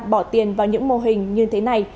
bỏ tiền vào những mô hình như thế này